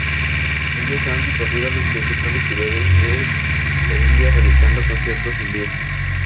Ellos ha recorrido las principales ciudades de la India realizando conciertos en vivo.